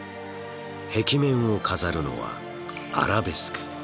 壁面を飾るのはアラベスク。